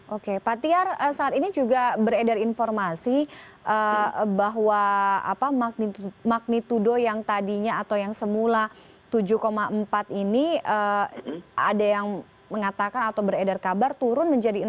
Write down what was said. oke pak tiar saat ini juga beredar informasi bahwa magnitudo yang tadinya atau yang semula tujuh empat ini ada yang mengatakan atau beredar kabar turun menjadi enam